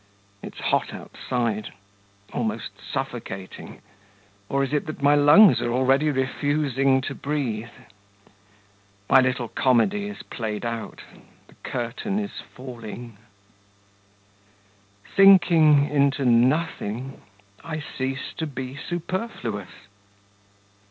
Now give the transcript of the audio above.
It's hot outside ... almost suffocating ... or is it that my lungs are already refusing to breathe? My little comedy is played out. The curtain is falling. Sinking into nothing, I cease to be superfluous